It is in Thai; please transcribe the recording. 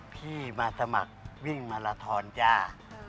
พี่มาสมัครวิ่งมาลาทอนจ้า